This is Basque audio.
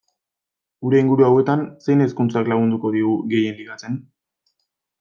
Gure inguru hauetan, zein hizkuntzak lagunduko digu gehien ligatzen?